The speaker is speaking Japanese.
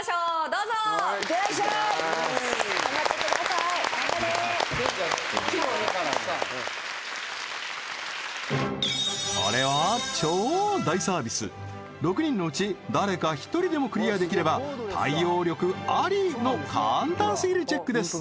頑張れーこれは超大サービス６人のうち誰か１人でもクリアできれば対応力アリの簡単すぎるチェックです